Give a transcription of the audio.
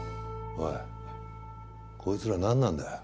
おいこいつらなんなんだよ？